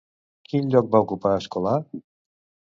Quin lloc va ocupar Escolà?